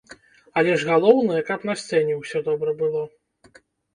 Але ж галоўнае, каб на сцэне ўсё добра было.